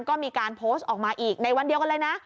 ก็มีการโพสต์ออกมาอีกในวันเดียวกันเลยนะ